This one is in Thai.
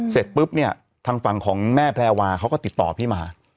เสร็จปุ๊บเนี่ยทางฝั่งของแม่แพรวาเขาก็ติดต่อพี่มา